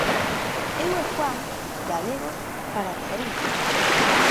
Eu e Juan, galegos, para Madrid...